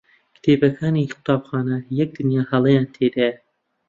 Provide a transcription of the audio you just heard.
کتێبەکانی قوتابخانە یەک دنیا هەڵەیان تێدایە.